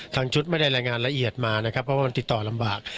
ชุดไม่ได้รายงานละเอียดมานะครับเพราะว่ามันติดต่อลำบาก